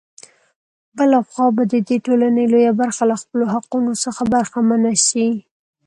بـله خـوا بـه د دې ټـولـنې لـويه بـرخـه لـه خپـلـو حـقـونـو څـخـه بـرخـمـنـه شـي.